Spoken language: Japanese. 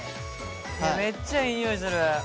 めっちゃいい匂いする。